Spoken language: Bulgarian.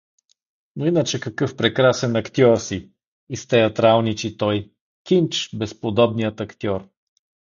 — Но иначе какъв прекрасен актьор си! — изтеатралничи той. — Кинч, безподобният актьор!